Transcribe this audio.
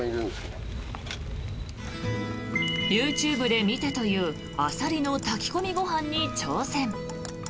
ＹｏｕＴｕｂｅで見たというアサリの炊き込みご飯に挑戦。